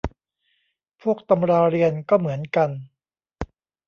พวกตำราเรียนก็เหมือนกัน